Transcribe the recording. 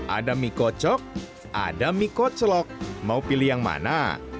ada mie kocok ada mie kocelok mau pilih yang mana